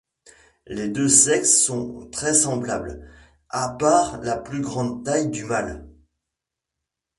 Les deux sexes sont très semblables, à part la plus grande taille du mâle.